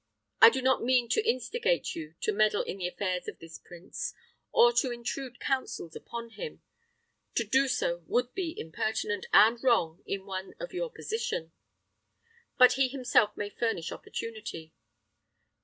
I do not mean to instigate you to meddle in the affairs of this prince, or to intrude counsels upon him. To do so would be impertinent and wrong in one of your position; but he himself may furnish opportunity.